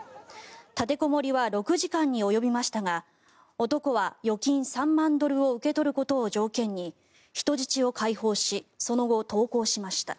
立てこもりは６時間に及びましたが男は預金３万ドルを受け取ることを条件に人質を解放しその後、投降しました。